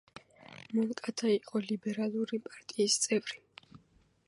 მონკადა იყო ლიბერალური პარტიის წევრი.